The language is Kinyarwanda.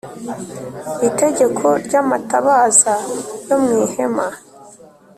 Itegeko ry amatabaza yo mu ihema